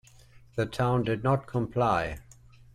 The town did not comply.